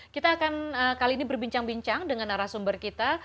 kita akan kali ini berbincang bincang dengan arah sumber kita